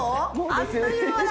あっという間だ。